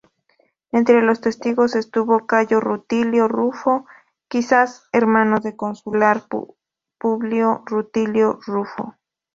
Entre los testigos estuvo Cayo Rutilio Rufo, quizá hermano del consular Publio Rutilio Rufo.